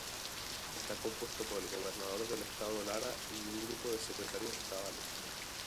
Está compuesto por el Gobernador del Estado Lara y un grupo Secretarios Estadales.